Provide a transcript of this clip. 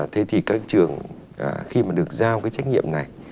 thế thì các trường khi mà được giao cái trách nhiệm này